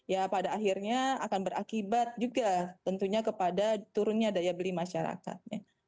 ya pada akhirnya akan berakibat juga tentunya kepada turunnya daya beli masyarakat